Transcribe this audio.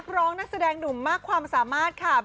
นักแสดงหนุ่มมากความสามารถค่ะ